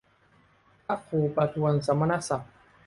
พระครูประทวนสมณศักดิ์